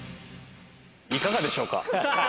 いかがでしょうか？